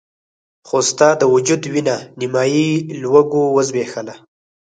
خو ستا د وجود وينه نيمایي لوږو وزبېښله.